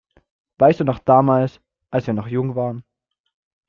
Weißt du noch damals, als wir noch jung waren?